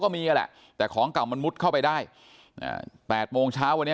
ก็มีแหละแต่ของเก่ามันมข้อไปได้๘โมงเช้าวันนี้